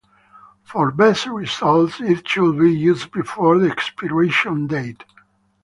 For best results it should be used before the expiration date.